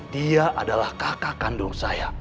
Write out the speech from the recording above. dia adalah kakak kandung saya